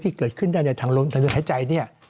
ที่เกิดขึ้นได้ในทางระบบทางเรือนหายใจนี่